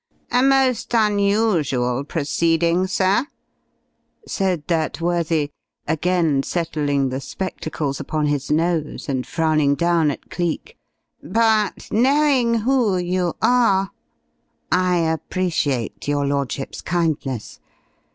"A most unusual proceeding, sir," said that worthy, again settling the spectacles upon his nose and frowning down at Cleek; "but, knowing who you are " "I appreciate your Lordship's kindness.